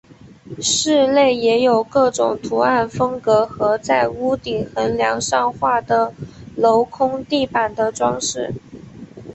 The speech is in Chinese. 寺内也有各种图案风格和在屋顶横梁上画的镂空地板的装饰。